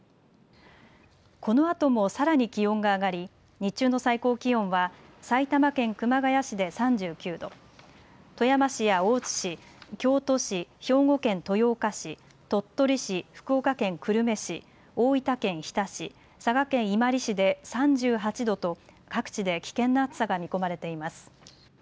このあともさらに気温が上がり日中の最高気温は埼玉県熊谷市で３９度、富山市や大津市、京都市、兵庫県豊岡市、鳥取市、福岡県久留米市、大分県日田市、佐賀県伊万里市で３８度と各地で危険な暑さが見込まれています。